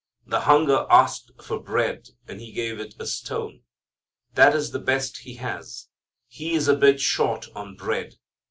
The hunger asked for bread and he gave it a stone. That is the best he has. He is a bit short on bread.